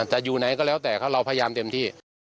จะอยู่ไหนก็แล้วแต่เราพยายามเต็มที่